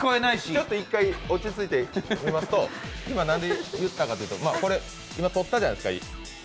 ちょっと１回落ち着いてみますと今、何で言ったかというと、ゆいＰが取ったじゃないですか。